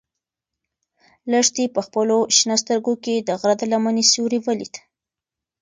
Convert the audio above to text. لښتې په خپلو شنه سترګو کې د غره د لمنې سیوری ولید.